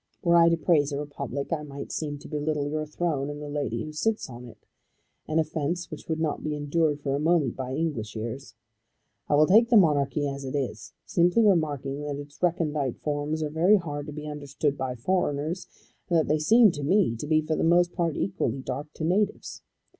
Were I to praise a republic I might seem to belittle your throne and the lady who sits on it, an offence which would not be endured for a moment by English ears. I will take the monarchy as it is, simply remarking that its recondite forms are very hard to be understood by foreigners, and that they seem to me to be for the most part equally dark to natives.